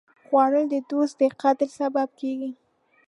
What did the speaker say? خوړل د دوست د قدر سبب کېږي